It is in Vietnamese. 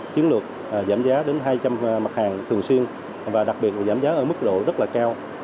chiến lược giảm giá đến hai trăm linh mặt hàng thường xuyên và đặc biệt giảm giá ở mức độ rất là cao